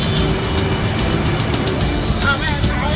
ต้องกลับมาด้วย